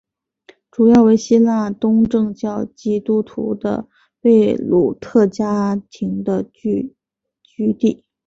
主要为希腊东正教基督徒的贝鲁特家庭的聚居地。